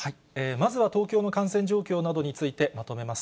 まずは東京の感染状況などについてまとめます。